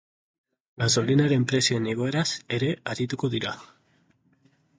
Gasolinaren prezioen igoeraz ere arituko dira.